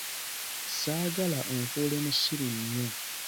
Ssaagala onfuule musiru nnyo.